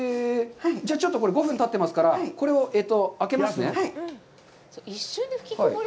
じゃあちょっと５分たってますから、これをあけますね。